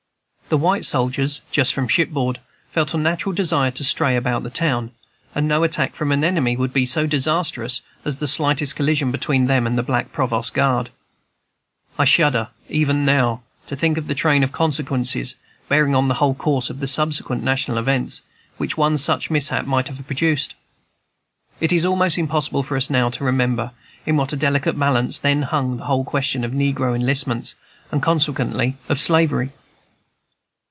The white soldiers, just from ship board, felt a natural desire to stray about the town; and no attack from an enemy would be so disastrous as the slightest collision between them and the black provost guard. I shudder, even now, to think of the train of consequences, bearing on the whole course of subsequent national events, which one such mishap might then have produced. It is almost impossible for us now to remember in what a delicate balance then hung the whole question of negro enlistments, and consequently of Slavery.